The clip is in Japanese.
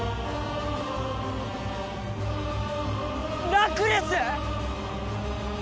ラクレス！？